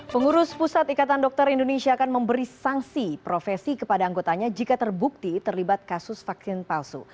pengurus pusat ikatan dokter indonesia akan memberi sanksi profesi kepada anggotanya jika terbukti terlibat kasus vaksin palsu